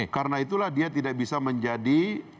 karena itulah dia tidak bisa menjadi